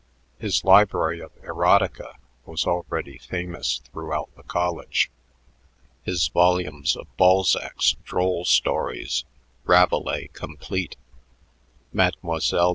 His library of erotica was already famous throughout the college, his volumes of Balzac's "Droll Stories," Rabelais complete, "Mlle.